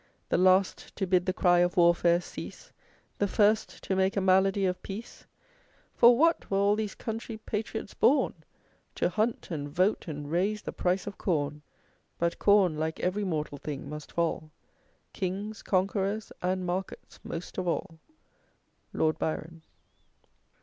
The last to bid the cry of warfare cease, The first to make a malady of peace! For what were all these country patriots born? To hunt, and vote, and raise the price of corn. But corn, like ev'ry mortal thing, must fall: Kings, conquerors, and, markets most of all." LORD BYRON.